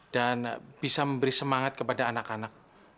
bisa memberi semangat kepada anak anak